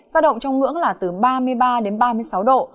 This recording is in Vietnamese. giao động trong ngưỡng là từ ba mươi ba đến ba mươi sáu độ